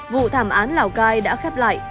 vụ thảm án lào cai đã khép lại